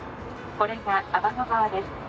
これが天の川です。